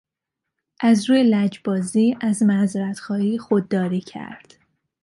از روی لجبازی از معذرت خواهی خود داری کرد.